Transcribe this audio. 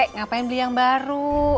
ngapain beli yang baru